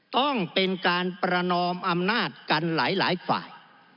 ต้องเป็นการประนอมอำนาจกันหลายฝ่าย